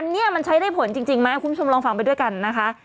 อันนี้มันใช้ได้ผลจริงไหมคุณผู้ชมลองฟังไปด้วยกันนะคะ